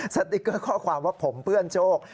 สติ๊กเกอร์ข้อความว่าผมเปื้อนโชค